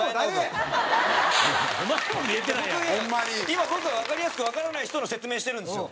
今僕はわかりやすくわからない人の説明してるんですよ。